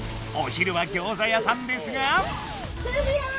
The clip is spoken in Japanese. お昼はギョーザ屋さんですが。